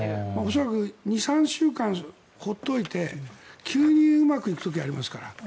恐らく２３週間放っておいて急にうまくいく時がありますから。